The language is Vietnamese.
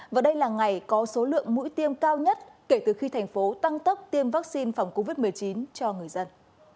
và đây là ngày có số lượng mũi tiêm cao nhất kể từ khi thành phố tăng tốc tiêm vaccine phòng covid một mươi chín cho người dân